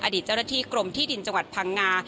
อดีตเจ้าหน้าที่กรมที่ดินจังหวัดพังงา